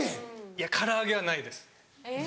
いや唐揚げはないです。